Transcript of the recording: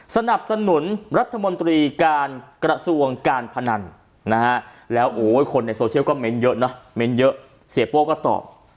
สนับสนุนรัฐมนตรีการกระทรวงการพนันแล้วคนในโซเชียลก็เม้นเยอะนะเสียโป้ก็ตอบ